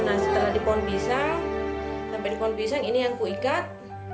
nah setelah di pohon pisang sampai di pohon pisang ini yang kuikat